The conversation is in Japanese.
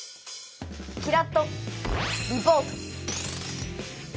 キラッとリポート！